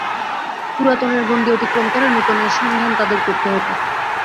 পুরাতনের গণ্ডী অতিক্রম করে নূতনের সন্ধান তাঁদের করতে হত।